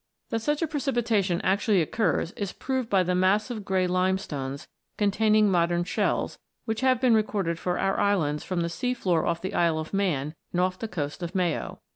That such a precipitation actually occurs is proved by the massive grey limestones, containing modern shells, which have been recorded for our islands from the sea floor off the Isle of Man and off the coast of Mayo.